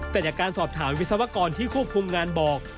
แต่จากการสอบถามวิศวกรที่ควบคุมงานบอก